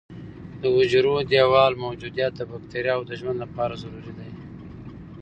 د حجروي دیوال موجودیت د بکټریاوو د ژوند لپاره ضروري دی.